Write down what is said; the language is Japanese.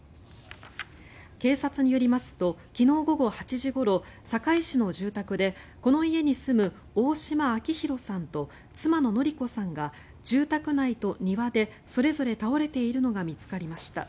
警察によりますと昨日午後８時ごろ坂井市の住宅でこの家に住む大島章弘さんと妻の典子さんが住宅内と庭でそれぞれ倒れているのが見つかりました。